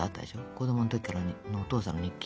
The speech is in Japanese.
子供の時からのお父さんの日記。